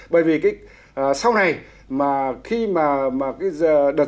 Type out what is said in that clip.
bởi vì sau này mà khi mà